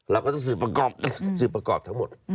เราก็ต้องสืบประกอบสืบประกอบทั้งหมด